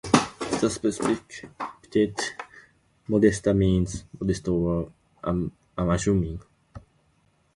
The specific epithet ("modesta") means "modest or unassuming".